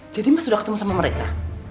jadi mas udah ketemu sama mereka